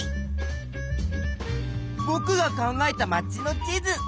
ぼくが考えた街の地図。